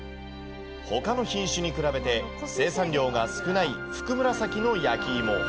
ほかの品種に比べて、生産量が少ないふくむらさきの焼きいも。